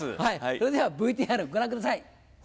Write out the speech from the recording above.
それではＶＴＲご覧ください。